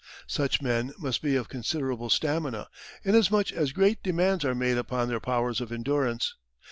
Such men must be of considerable stamina, inasmuch as great demands are made upon their powers of endurance.